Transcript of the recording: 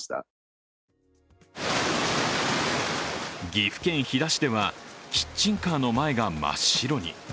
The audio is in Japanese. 岐阜県飛騨市では、キッチンカーの前が真っ白に。